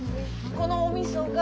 このおみそが。